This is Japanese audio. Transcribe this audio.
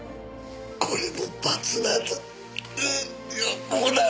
これも罰なんだ。